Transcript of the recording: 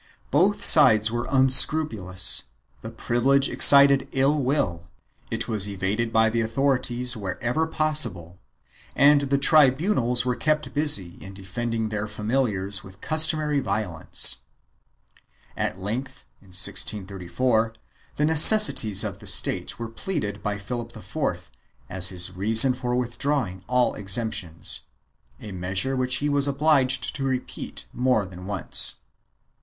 Both sides were unscrupulous; the privilege excited ill will, it was evaded by the authorities wherever possible and the tribunals were kept busy in defending their familiars with customary violence. At length, in 1634, the necessities of the state were pleaded by Philip IV as his reason for withdrawing all exemptions — a measure which he was obliged to repeat more than once.